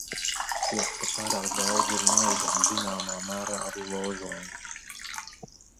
Šķiet, ka pārāk daudz ir naida un zināmā mērā arī lozungu.